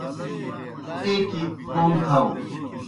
ایْکیْ کوْم تھاؤ۔